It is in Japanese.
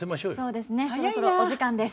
そろそろお時間です。